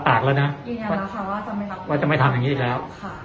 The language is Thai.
อิสระในน้ำดาวอิสระในดาวนี้อีกแล้ว